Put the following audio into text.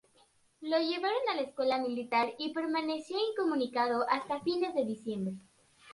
Lo llevaron a la Escuela Militar y permaneció incomunicado hasta fines de diciembre.